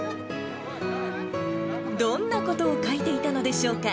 どんなことを書いていたのでしょうか。